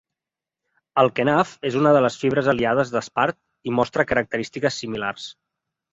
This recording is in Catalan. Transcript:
El kenaf és una de les fibres aliades d'espart i mostra característiques similars.